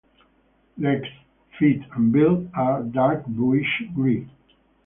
Legs, feet and bill are dark bluish-grey.